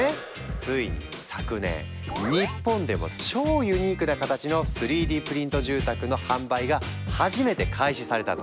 ついに昨年日本でも超ユニークな形の３Ｄプリント住宅の販売が初めて開始されたの。